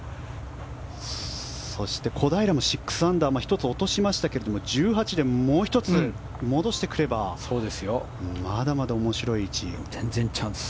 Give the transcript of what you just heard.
そして小平も６アンダー１つ落としましたが１８でもう１つ戻してくれば全然チャンス。